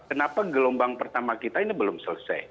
kenapa gelombang pertama kita ini belum selesai